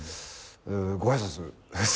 ご挨拶！